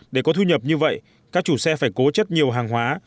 để có thu nhập như vậy các chủ xe phải cố chất nhiều hàng hóa